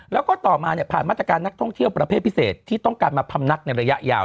แล้วก็ต่อมาผ่านมาตรการนักท่องเที่ยวประเภทพิเศษที่ต้องการมาพำนักในระยะยาว